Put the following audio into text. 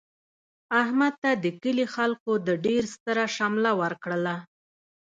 احمد ته د کلي خلکو د ډېر ستره شمله ورکړله.